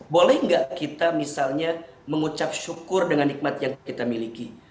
boleh nggak kita misalnya mengucap syukur dengan nikmat yang kita miliki